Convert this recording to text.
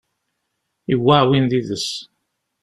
Yewwi aεwin yid-s